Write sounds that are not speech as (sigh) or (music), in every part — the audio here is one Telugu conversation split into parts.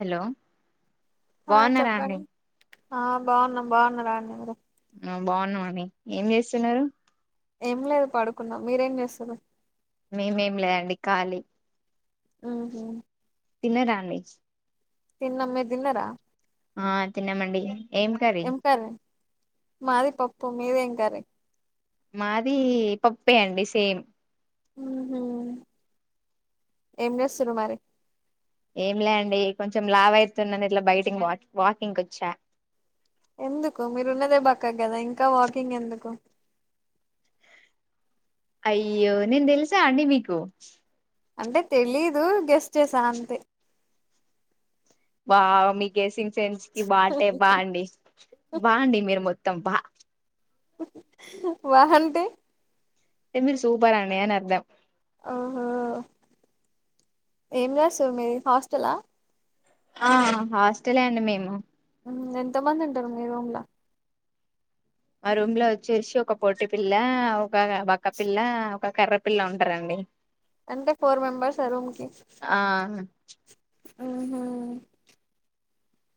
హలో ఆ బాగున్నారా అండి చెప్పండి ఆ బాగున్నాం బాగున్నా అండి మీరు బాగున్నామని ఏం చేస్తున్నారు ఏం లేదు పాడుకున్నాం మీరేం చేస్తుర్రు మేమేమి లేదండి ఖాలీ హమ్ తిన్నారా అండి తిన్నాం మీరు తిన్నారా ఆ తిన్నామండి ఏం కరీ మాది పప్పు మీద ఏం కర్రీ మాది పప్పే అండి సేమ్ ఏం చేస్తారు మరి ఏం లే అండి కొంచెం లావ అయితున్నది ఇట్లా బయటికి వా వాకింగ్ వచ్చా ఎందుకు మీరు ఉన్నదే బక్క గదా ఇంకా వాకింగ్ ఎందుకు అయ్యో నిన్ తెల్సా అండిీ మీకు అంటే తెలీదు గెస్ట్ చేసా అంతే మీ గెస్సింగ్ సెంచికి బాగుంటే బాగుండి బాగుండి మీరు మొత్తం తబ్బా. వాహంటే ఇ మీరు సూపర్ అండి అని అర్ధం ఓహో ఏం రాసు మీది హాస్టలా ఆ హాస్టలే అండి మేము ఎంత మంది ఉంటరు మీ రూమ్ల మా రూమ్ లో వచ్చేసి ఒక పొట్టి పిల్ల ఒక బక్కపిల్ల ఒక కర్రె పిల్ల ఉంటారండి అంటే ఫోర్ మెంబర్స్ అ రూమ్ కి ఆ ఉమ్మ్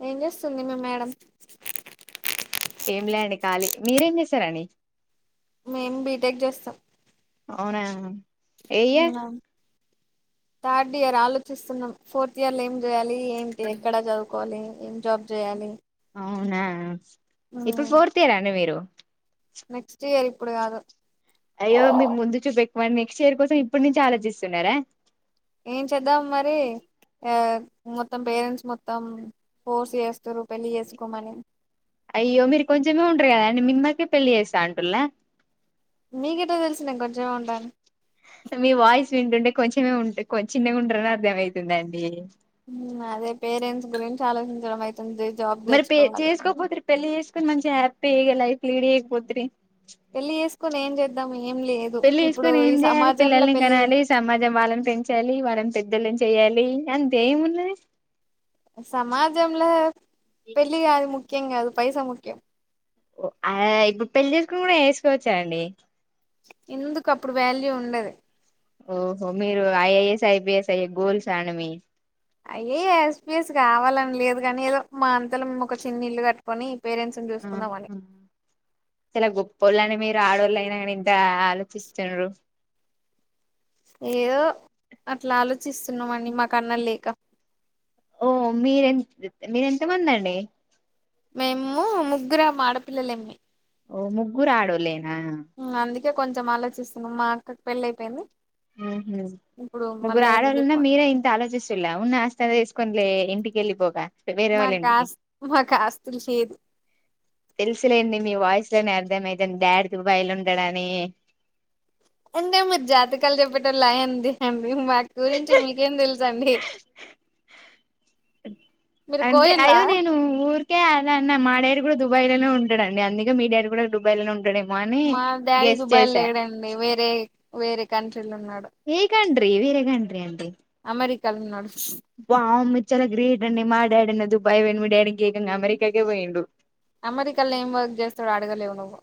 ఏం చేస్తుంది మీ మేడం ఏం లే అండి ఖాళీ మీరేం చేస్తారండీ మేము బీటెక్ చేస్తాం అవునా ఏ ఇయర్ అవునా థర్డ్ ఇయర్ ఆలోచిస్తున్నాం ఫోర్త్ ఇయర్ ఏం చేయాలి ఏంటి ఎక్కడ చదువుకోవాలి ఏం జాబ్ చేయాలి అవునా ఇప్పుడు ఫోర్త్ ఇయర్ ఆ అండి మీరు నెక్స్ట్ ఇయర్ ఇప్పుడు కాదు అయ్యో మీకు ముందు చూపూ ఎక్కువ అండి నెక్స్ట్ ఇయర్ కోసం ఇప్పడు నుంచి ఆలోచిస్తున్నార ఏం చేద్దాం మరి ఆ మొత్తం పేరెంట్స్ మొత్తం ఫోర్స్ చేస్తుర్రూ పెళ్లి చేసుకోమని అయ్యో మీరు కొంచెమే ఉంటరు కదా అండి మిమ్మకే పెళ్లి చేస్తా అంటుల్లా మీ కెట్ట తెలుసు నేన్ కొంచమే ఉంటా ఆన్ మీ వాయిస్ వింటుంటే కొంచెమే ఉంట చిన్నగ ఉంటారని అర్థం ఐతుందండి హమ్ అదే పేరెంట్స్ గురించి ఆలోచించడం అయితే మరి పే చేసుకోకపోతే పెళ్లి చేసుకొని మంచిగ హ్యాపీ అయ్ లైఫ్ లీడ్ చేయకపోత్రి పెళ్లి చేసుకొని ఏం చేద్దాం మీ పెళ్లి తీసుకొని ఏం చేయాలి పిల్లల్ని పెళ్లి కనాలి సమాజం వాళ్ళని పెంచాలి వాళ్ళని పెద్ధోలం చెయ్యాలి అంతే ఏమున్నది సమాజంలో పెళ్లి కాదు ముక్ కేం గాదు పైస ముఖ్యం ఆ ఇప్పుడు పెళ్ళిసుని కూడా వేసుకోవచ్చాండి ఎందుకు అప్పుడు వాల్యూ ఉండదు ఓహో మీరు ఐఐఎస్ ఐపిఎస్ అయ్యే గోల్స్ అండి మీ అయ్యఎస్ ఎస్పిఎస్ కావాలని లేదు గని ఏదో మా అంతలో ఒక చిన్న ఇల్లు కట్టుకొని పేరెంట్స్ ని హమ్ చూసుకుందామని ఆచాల గోపిల్లు అండి మీ అడోలైన ఇంతా ఆలోచిస్తుర్రూ ఏదో అట్ల ఆలోచిస్తున్నామండి మాకన్న లేక ఓ మీరెంత మీరెంతమంది అండి మేము ముగ్గురం ఆడపిల్లలేమే ఓ ముగ్గురు ఆడోల్లే అందు కొంచెం ఆలోచిస్తున్నాం మా అక్కకి పెళ్ళి అయిపోయింది. ఉహు ఇప్పుడు ముగ్గురు మళ్ళా అడోలున్న ఎందుకు మీరే ఇంత ఆలోచిస్తులే ఉన్న ఆస్తి తీసుకొనిలే ఇంటికి వెలిపోగా వేరే వాళ్ళ మాకు ఇంటికి ఆస్ మాకు ఆస్తులు లేదు తెలుసులేండి మీ వాయిస్ నే అర్ధం అయితంది డాడ్ కి (unintelligible) (unintelligible) జాతకాలు చెప్పేటోళ్లులాగ అనిపిస్తుంది మీరు అంతే కోయల్లా అయ్యో నేను ఊర్కే అలా అన్న మా డాడీ కూడా దు దుబాయ్ లోనే ఉంటాడండి అందుక మీ డాడీ కూడా దుబాయ్ లోనే ఉంటా మా డాడీ దుబాయ్ లో లేడండి వేరే వేరే కంట్రీ వెళ్ళున్నాడు ఏ వేరే కంట్రీ ఏదో కంట్రీ అండి వేరికల్నస్ వావ్ మీరూ చాలా గ్రేట్ రండి మా డాడి అ న్న దుబాయి పోయిండు మీ డాడీ ఏకంగా అమెరికా కే పోయిండు అమెరికాలో ఏం వర్క్ చేస్తాడు అడగలేవు నువ్వు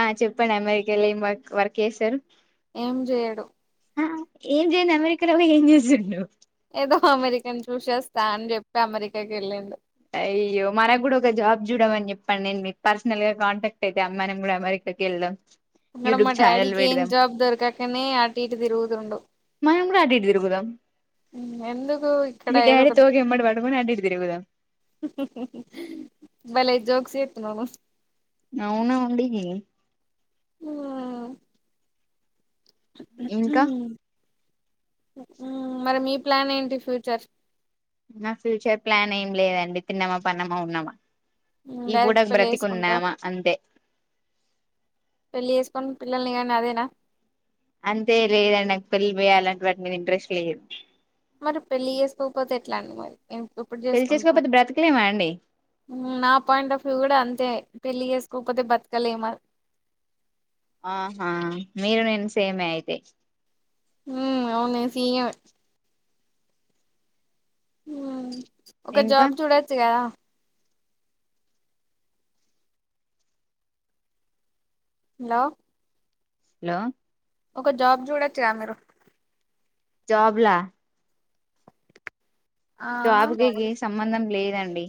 ఆ చెప్పండి అమెరికాలో ఏం వర్క్ వర్క్ చేశారు ఏం చేయడు ఆ ఏం చేయంది అమెరికాలో ఏం చేసిండు ఏదో ఎల్లుండి అయ్యో మనకు కూడా ఒక జాబ్ చూడమని చెప్పాండి నేను మీకు పర్సనల్ గా కాంటాక్ట్ అయితే మనం కూడా అమెరికాకి వెళ్దాం అక్కడ యూట్యూబ్ మా ఛానల్ డాడీకి ఏం పెడదాం జాబ్ దొరకకనే అటు ఇటు తిరుగుతుండడు మనం కూడా అటు ఇటు తిరుగుదాం ఎందుకు ఇక్కడ మీ ఏదో డాడీ ఒక తోక ఎమ్మటి పట్టుకొని అటు ఇటు తిరుగుదాం భలే జోక్స్ వెత్తున్నావ్ రా అవునా అండి ఆ ఇంకా ఆ మరి మీ ప్లాన్ ఏంటి ఫ్యూచర్ నా ఫ్యూచర్ ప్లాన్ ఏం లేదండి తిన్నామా పన్నమా ఉన్నామా ఈ డైరెక్ట్ పూటకు పెళ్లి చేసుకుంటార బ్రతికున్నామా అంతే పెళ్లి చేసుకొని పిల్లలు కానీ అదేనా అంతే లేదండి నాకు పెళ్లి పై ఆలంటి వాటి మీద ఇంట్రెస్ట్ లేదు మరి పెళ్లి చేసుకోకపోతే ఎట్లా అండి మరి ఇం ఇప్పుడు పెళ్లి చేసుకుంటావ్ చేసుకోకపోతే బ్రతకలేమా అండి నా పాయింట్ ఆఫ్ వ్యూ కూడా అంతే పెళ్లి చే కోకపోతే బతుక లేమా ఆహా మీరు నేను సేమ్ ఏ అయితే ఉ అవును ఏ (unintelligible) హ్ ఒక ఇంకా జాబ్ చూడొచ్చు గాదా హలో హలో ఒక జాబ్ చూడొచ్చు గా మీరు జాబ్లా ఆ జబ్ కి ఏం సంబంధం లేదు. అండి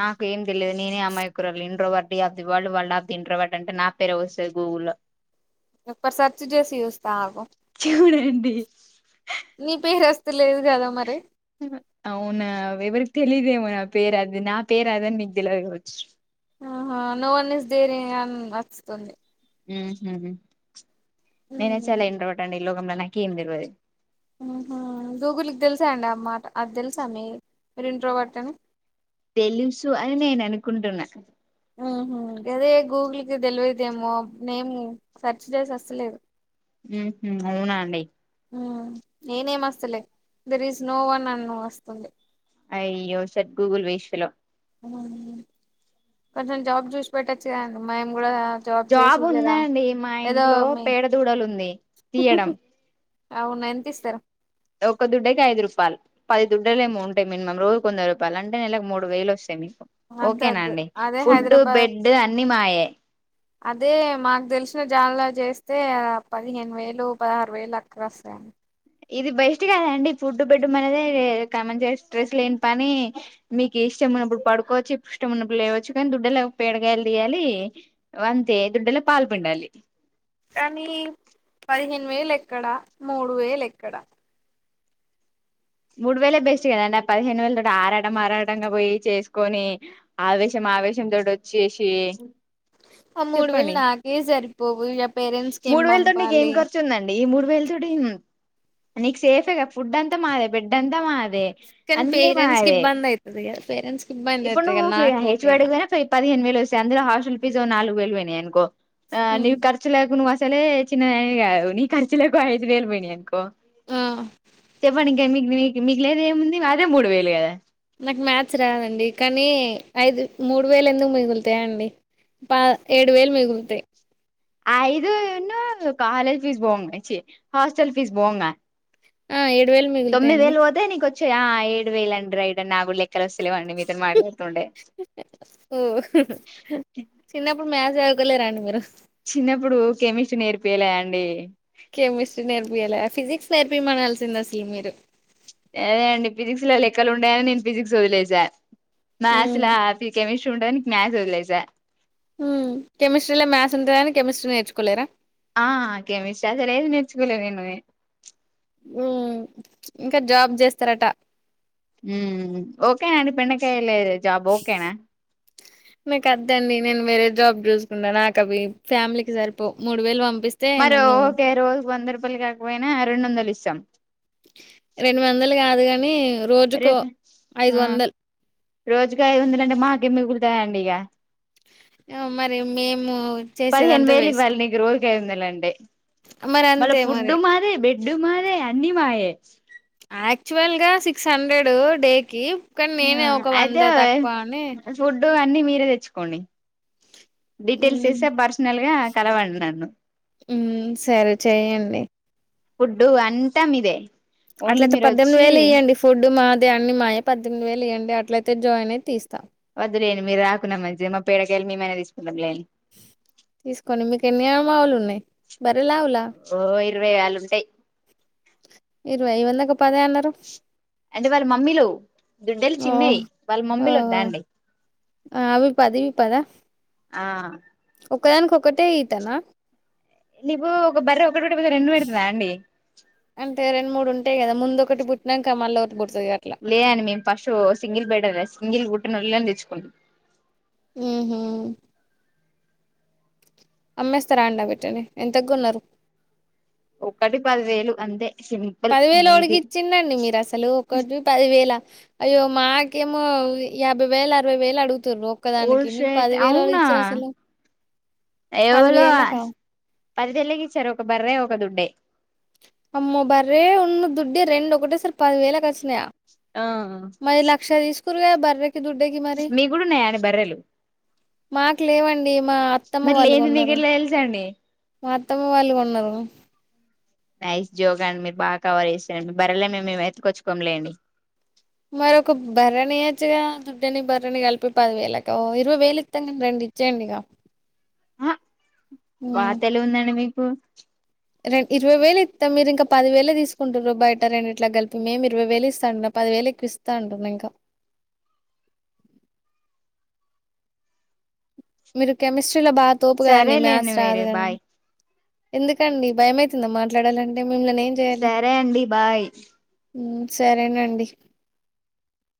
నాకు ఏం తెలియదు. నేనే అమయి కురలూనీ introvert D of the world of the introvert అంటే నా పేరు వస్తది. గూగుల్లో ఒక్క సర్చ్ చేసి చుస్త ఆగు ఈ నీ పేరే వస్తది. అవునా ఎవరికి తెలిదేమో నా పేరు అది నా పేరూ అది అని నీకు తేలువది కావచ్చు. ఆహా నో వన్ ఇస్ దేర్ అని వస్తుంది. ఉహు నేనే చాలా ఇంట్రోవర్ట్ అండి. లోకంలో నాకు ఏం తెల్వది. ఉహ్ గూగుల్కి తెలుసా అండి. అ మాట అది తెలుసా మీ మీరూ ఇంటట్రోవర్ట్ అని తెలుసు అని నేను అనుకుంటున్నా ఉహ్ గాదే గూగుల్కి దెలువాది ఏమో నేమ్ సెర్చ్ చేస్తే ఆస్తలేదు. ఉహ్ అవునా అండి. హ్ ఏ నేం ఆస్తలే there is no one no వస్తుంది. అయ్యో సెట్ గూగుల్ వేస్ట్ ఫెలో హ్ కొంచెం జాబ్ చూసి పెట్టచ్చు కదండీ. మేము కూడా ఆ జాబ్ ఉందండి. మా ఇంట్లో మీ పేడదూడలు ఉంది. తీయడం అవునా ఎంత ఇస్తారు. ఒక దుడ్డేకి ఐదు రూపాయలు పది దుడ్డేలేమో ఉంటాయి. మినిమామ్ రోజుకు వంద రూపాయలు అంటే నెలకు మూడు వేలు వస్తాయి మీ అద్దు అద్దు ఓకేనాండి అదే ఫుడ్డు హైదరాబాద్ బెడ్డు అన్ని మాయే అదే మాకు తెలిసిన జాన్ ల చేస్తే పదిహేను వేలు పదహారు వేలు అక్కడ వస్తాయండి. ఇది బెస్ట్ కదండి. ఫుడ్డు బెడ్డు మనదే ఇంకా మంచిగా స్ట్రెస్ లేని పని మీకు ఇష్టం ఉన్నప్పుడు పడుకోవచ్చు. ఇష్టం ఉన్నప్పుడు లేవచ్చు. కానీ దుడ్డేల పేడకయలు తీయాలి. అంతే దుడ్డేల పాలు పిండాలి. కానీ పదిహేను వేలు ఎక్కడా మూడు వేలు ఎక్కడా మూడు వేలే బెస్ట్ కదండి. పదిహేను వేల తోటి ఆరాటం ఆరాటంగా పోయి చేసుకొని ఆవేశం ఆవేశం తోటి వోచ్చేసి ఆ మూడు వేలు నాకే సరిపోవు పేరెంట్స్కి ఏం మూడు వేల తోటి నీకు ఏం పంపాలి. ఖర్చు ఉందండి ఈ మూడు వేల తోటి నీకు సేఫె గా ఫుడ్డు అంతా మాదే ఫుడ్ అంత మాదే కానీ అన్నీ పేరెంట్స్ కి మావె ఇబ్బంది అవుతుంది కదా పేరెంట్స్ కి ఇబ్బంది ఇప్పుడు అవుతుంది నువ్వు కదా నాకు హెచ్ ఓ డి ఓకేనా గా పదిహేను వేలు వస్తాయి. అందులో హాస్టల్ ఫీజో నాలుగు వేల్వే నాయి అనుకో ఆ నీ ఉమ్, ఖర్చ్ లకు నువ్వు ఆస్ సలే చిన్నదానివి గాదు నీ కర్చలే (unintelligible) ఐదు వేలు పోయినాయి అనుకో ఆ చెప్పండి ఇంక మీకు మిగిలేది ఏముంది అదే మూడు వేలు కదా నాకు మ్యాథ్స్ రాదండి కానీ ఐదు మూడు వేలు ఎందుకు మిగులుతాయా అండి పా ఏడు వేలు మిగులుతాయి ఐదు వున్నారు కాలేజ్ ఫీస్ పోంగ చీ హాస్టల్ ఫీస్ పోంగ ఆ ఏ తొమ్మెదివేల్లు పోతే నీ కొ ఆ ఏడు వేలండి రైడ్ అడి నా కూడా లెక్క వస్తలేవండి మీతో మాట్లాడి తే ఓ చిన్న మ్యాస్ చదువుకోలేదండి మీరు చిన్నప్పుడు కెమిస్ట్రీ నేర్పుయలే అండి కెమిస్ట్రీ నేర్పియాల ఫిజిక్స్ నేర్పియమనాల్సింది అసలు మీరు అదే అండి ఫిజిక్స్ లెక్కలు ఉండయని నేను ఫిజిక్స్ వదిలేసా ఉమ్ మ్యాస్లా కెమిస్ట్రీ చూడ్డానికి మ్యాస్ వదిలేసా ఉం కెమిస్ట్రీల మ్యాస్ ఉంటదని కెమిస్ట్రీ నేర్చుకోలేరా ఆ కెమిస్ట్రీ అసలేది నేర్చుకోలే నేను ఉ ఇంకా జాబ్ చేస్తారట ఉం ఓకే అండి బెండకాయలా జాబ్ ఓకేనా నాకు వద్దు అండి నేను వేరే జాబ్ చూసుకుంటా నాకు అవి ఫ్యామిలీకి సరిపోవు మూడు వేలు పం మరి ఓకే రోజు వంద రూప చెప్పలి కాకపోయినా రెండు వందలు ఇస్తాం రెండు వందలు కాదు గా మే రె ఆ రోజుకు ఐదు వందలు అంటే మాకి ఏమి మిగులు తాయ్ అండి ఇగ మరి మేము పదిహేను చేసేదంతా వేలు వేస్ట్ ఇవ్వాలి నీకు రోజుకు ఐదు వందలు అంటే మరి మళ్ళ అంతే ఫుడ్ మరి మాదే బెడ్ ఉ మాదే అన్ని మావే యాక్చువల్ గా సిక్స్ హండ్రెడ్ డే కి అయితే ఫుడ్డు అన్నీ మీరే తెచ్చుకోండి డీటెయిల్స్ చేస్త పర్సనల్ గా కలవండి నన్ను ఉ సరే చెయ్యండి ఫుడ్డు అంతా మీదే ఓన్లీ అట్లయితే మీరు పది ఎనిమిది వచ్చి వేలు ఇయ్యండి ఫుడ్ మా అన్ని మాయే పద్దెనీమిది వేలు ఇవ్వండి అట్లయితే జాయిన్ అయి తీస్తా వద్దులేండి మీరు రాకున్న మంచి మా పేడ కి వెళ్ళి మేమైనా తీసుకుంటాం లేని తీసుకొని మీకు ఎన్ని ఆ మా ఆవులు ఉన్నాయి బర్రెలా ఆవులా ఇరవైగల్లా ఉంటాయి ఇరవై ఇవ్వల్దాకా అంటే వాళ్ళ మమ్మీలు దుడ్డెలు ఓ చిన్నయి వాళ్ళ ఓ మమ్మీలు ఒద్దఅండి ఆ అవి పది ఇవి పది ఆ ఆ ఒక దానికి ఒకటే ఈత నా నీవు ఒక బర్రె ఒకటి పెట్టకపోతే రెండు పెడుతుందా అండి అంటే రెండు మూడు ఉంటాయి కదా ముందు ఓక్ కటి పుట్టినంక మళ్ళ లేదండి మేము ఫస్టు సింగిల్ బెటర్ సింగిల్ పుట్టినొల్లనే తెచ్చుకుంటాం (inaudible) ఉహు అమ్మేస్తారా అండి అవ్విటిని ఎంతకొన్నారు ఒకటి పదివేలు అంతే సింపుల్ పదివేలు ఒడికి ఇది ఇచ్చిండండి మీరు అసలు ఒకటి పదివేలా అయ్యో మాకేమో యాభై వేల్ అరవై వేల్ అడుగు తున్రు ఓ ఒక్కదానికి మీకు షట్ పది వేలు ఓవలు అవునా ఇచ్చింరు అసలు పది వేల కా పదివేలకిచ్చారు ఒక బర్రె ఒక దుడ్డే అమ్మో బర్రే ఉన్ను దుడ్డే రెండు ఒకటే సారి పది వేల కచ్చినయా ఆ పర్గా బర్రె మీ కూడా ఉన్నాయండీ బర్రెలు మాక్ లేవండి మా అత్తమ్మ మరి వాళ్ళు లేంది మిక్ కొన్నారు ఎట్ల తెలుసు అండి మా అత్తమ్మ వాళ్ళు కొన్నారు నైస్ జోక్ అండి మీరు బాగా కవర్ చేసారండి మీ బర్రెలని మేము ఏం ఎతుకొచ్చుకోంలేండి మరొక బర్రని ఇయచ్చగా దుడ్డని బర్రని కలిపి పదివేలక ఓ ఇరవై వేలు ఇత్తం గని రెండు ఇచ్చేయండి ఇగ ఆహ్ బా తెల్వుందండి మీకు హ్ రెం ఇరవై వేలు ఇత్త మీరు ఇంకా పది వేలే తీసుకుంటారు బయట రెండిట్ల కలిపి మేము ఇరవై వేలు ఇస్తా అంటున్న పదివేలు ఎక్కువ ఇస్తా అంటున్నా ఇంకా మీరు కెమిస్ట్రీ ల బాగా తోపు కదండి సరేలేండి మ్యాథ్స్ మీరు రాదు గా బాయ్ ఎందుకండి భయమయితుందా మాట్లాడాలంటే మిమ్మల్ని ఏం సరే అండి బాయ్ హ్మ్ సరేనండి